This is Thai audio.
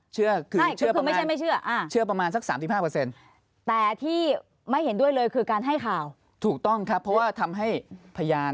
เชื่อไม่เชื่อห่างเชื่อประมาณสัก๓๕แปลที่ไม่เห็นด้วยเลยคือการให้ข่าวถูกต้องครับเพราะว่าทำให้พยาน